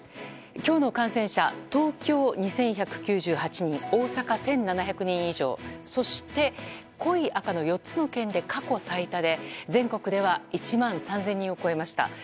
今日の感染者、東京２１９８人大阪１７００人以上そして濃い赤の４つの県で過去最多で全国では１万３０００人を超えました。